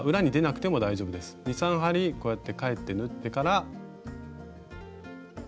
２３針こうやって返って縫ってから。